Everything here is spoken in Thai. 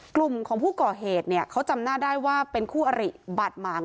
กลุ่มของผู้ก่อเหตุเนี่ยเขาจำหน้าได้ว่าเป็นคู่อริบาดหมาง